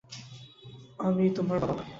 আমি তোমার বাবা না।